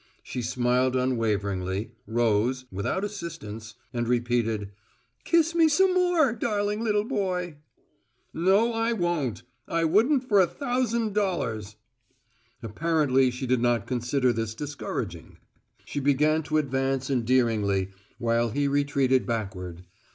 She smiled unwaveringly, rose (without assistance) and repeated: "Kiss me some more, darling little boy!" "No, I won't! I wouldn't for a thousand dollars!" Apparently, she did not consider this discouraging. She began to advance endearingly, while he retreated backward.